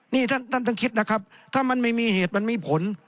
นี่ท่านท่านคิดนะครับถ้ามันไม่มีเหตุมันมีผล